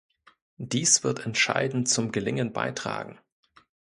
Dies wird entscheidend zum Gelingen beitragen.